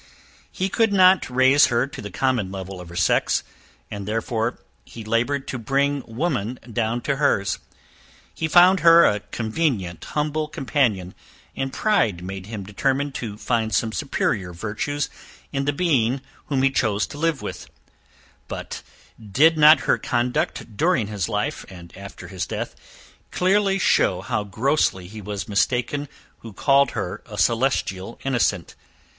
He could not raise her to the common level of her sex; and therefore he laboured to bring woman down to her's. He found her a convenient humble companion, and pride made him determine to find some superior virtues in the being whom he chose to live with; but did not her conduct during his life, and after his death, clearly show how grossly he was mistaken who called her a celestial innocent.